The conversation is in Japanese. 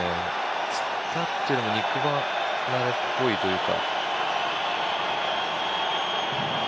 つったというよりも肉離れっぽいというか。